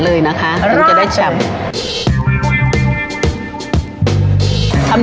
ลองทานแบบตาโตนะคะ